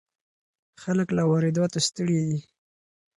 خلک له وارداتو ستړي دي.